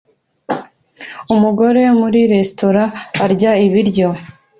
Umugore muri resitora arya ibiryo